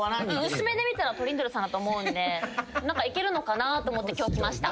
薄目で見たらトリンドルさんだと思うんでいけるのかなと思って今日来ました。